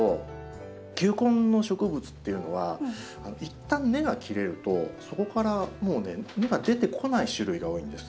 球根の植物っていうのはいったん根が切れるとそこからもう根が出てこない種類が多いんです。